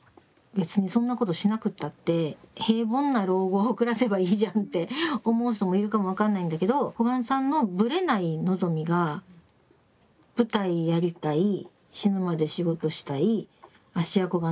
別にそんなことしなくったって平凡な老後を暮らせばいいじゃんって思う人もいるかも分かんないんだけど小雁さんのブレない望みがっていう望みだから。